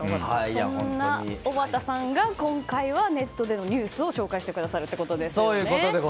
そんな、おばたさんが今回はネットでのニュースを紹介してくださるということですね。